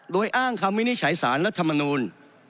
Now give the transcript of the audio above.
โดยอ้างคำวินิจฉัยสารรัฐมนูล